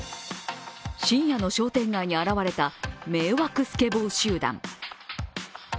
深夜の商店街に現れた迷惑スケボー集団。